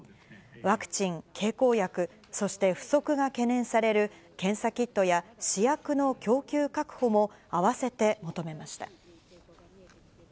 ワクチン、経口薬、そして不足が懸念される検査キットや試薬の供給確保も、併せて求